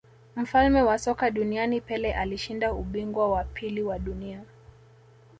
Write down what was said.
mfalme wa soka duniani Pele alishinda ubingwa wa pili wa dunia